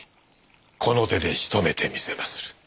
この手でしとめてみせまする。